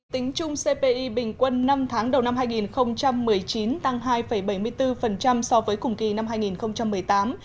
tính chung cpi bình quân năm tháng đầu năm hai nghìn một mươi chín tăng hai bảy mươi bốn so với cùng kỳ năm hai nghìn một mươi tám